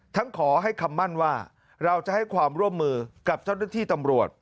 ขอให้คำมั่นว่าเราจะให้ความร่วมมือกับเจ้าหน้าที่ตำรวจ